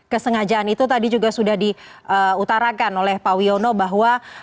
kesengajaan itu tadi juga sudah diutarakan oleh pak wiono bahwa